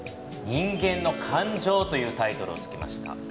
「人間の感情」というタイトルをつけました。